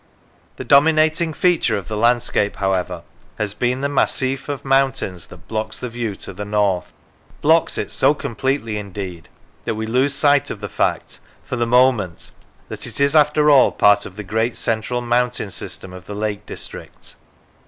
The dominating feature of the landscape, however, has been the massif of mountains that blocks the view to the north; blocks it so com pletely, indeed, that we lose sight of the fact for the moment that it is after all part of the great central mountain system of the Lake District.